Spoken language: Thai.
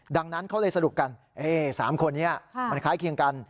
ดังนั้นเขาเลยสรุปกัน๓คนนี้มันคล้ายเคียงกัน